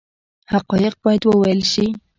حقایق باید وویل شي